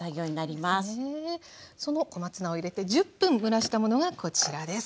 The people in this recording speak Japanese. その小松菜を入れて１０分蒸らしたものがこちらです。